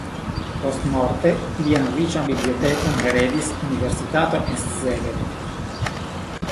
Postmorte lian riĉan bibliotekon heredis universitato en Szeged.